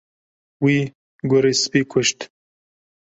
Wî gurê spî kuşt.